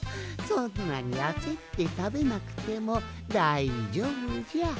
そんなにあせってたべなくてもだいじょうぶじゃ。